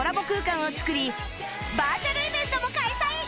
空間を作りバーチャルイベントも開催！